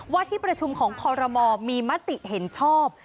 ที่ประชุมของคอรมอลมีมติเห็นชอบ